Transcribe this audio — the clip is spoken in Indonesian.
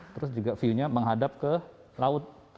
terus juga view nya menghadap ke laut